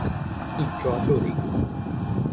一抓就靈！